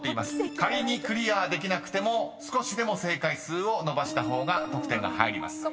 ［仮にクリアできなくても少しでも正解数を伸ばした方が得点が入ります。